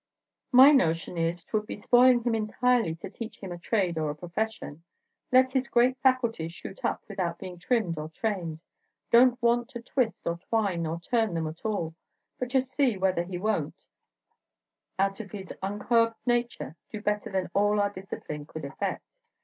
"My notion is 'twould be spoiling him entirely to teach him a trade or a profession. Let his great faculties shoot up without being trimmed or trained; don't want to twist or twine or turn them at all, but just see whether he won't, out of his uncurbed nature, do better than all our discipline could effect.